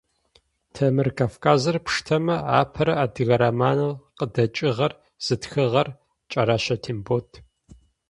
Темыр Кавказыр пштэмэ, апэрэ адыгэ романэу къыдэкӏыгъэр зытхыгъэр Кӏэрэщэ Тембот.